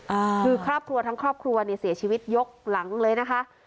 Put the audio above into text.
อ่าคือครอบครัวทั้งครอบครัวเนี่ยเสียชีวิตยกหลังเลยนะคะ